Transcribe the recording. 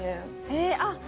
へえあっ！